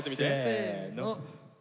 せの。